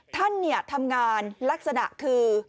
ท่านเนี่ยทำงานลักษณะคือ